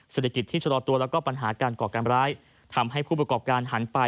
เศรษฐกิจที่ชะลอตัวแล้วก็ปัญหาการก่อการร้ายทำให้ผู้ประกอบการหันไป